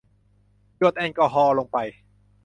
หยดแอลกอฮอล์ลงไป